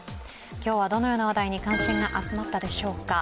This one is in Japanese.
今日はどのような話題に関心が集まったでしょうか。